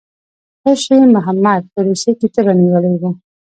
خوشي محمد په روسیې کې تبه نیولی وو.